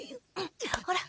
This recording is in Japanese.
ほら！